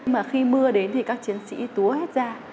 mà khi mưa đến thì các chiến sĩ túa hết ra